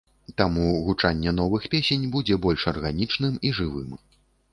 Таму гучанне новых песень будзе больш арганічным і жывым.